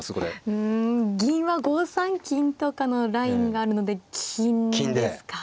うん銀は５三金とかのラインがあるので金ですか？